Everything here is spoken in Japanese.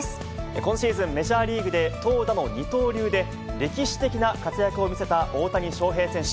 今シーズン、メジャーリーグで投打の二刀流で歴史的な活躍を見せた大谷翔平選手。